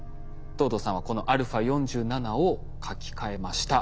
藤堂さんはこのα４７を書き換えました。